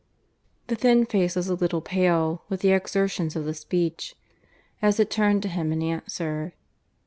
The thin face was a little pale with the exertions of the speech, as it turned to him in answer.